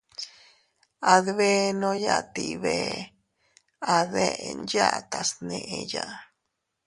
Adbenoya tii bee a deʼen yatas neʼeya.